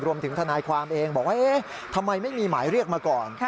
รวมถึงทนายความเองบอกว่าทำไมไม่มีหมายเรียกมาก่อน